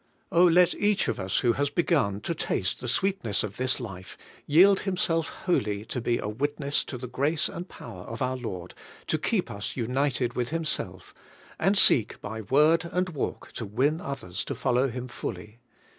Oh, let each of us who has begun to taste the sweetness of this life, yield himself wholly to be a witness to the grace and power of our Lord to keep us united with Himself, and seek by word and walk to win others to follow Him fully.